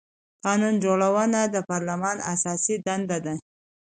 قانون جوړونه د پارلمان اساسي دنده ده